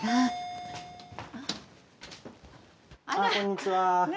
こんにちは。